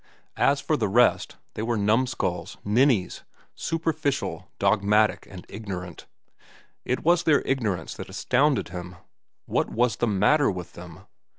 As for the rest, they were numskulls, ninnies, superficial, dogmatic, and ignorant. It was their ignorance that astounded him. What was the matter with them?